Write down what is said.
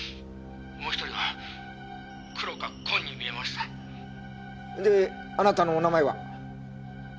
もう１人は黒か紺に見えました」であなたのお名前は？